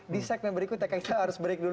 di segmen berikut tk kita harus break dulu